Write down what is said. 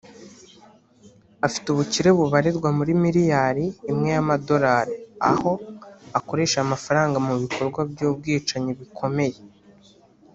afite ubukire bubarirwa muri miliyari imwe y’amadorali aho akoresha aya mafaranga mu bikorwa by’ubwicanyi bikomeye